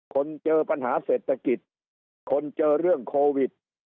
คนเจอปัญหาเศรษฐกิจคนเจอเรื่องโควิด